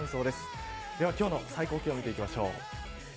では今日の最高気温を見ていきましょう。